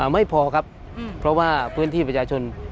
ไม่พอครับเพราะว่าพื้นที่ประชาชน